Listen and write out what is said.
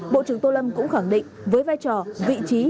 bộ trưởng tô lâm cũng khẳng định với vai trò vị trí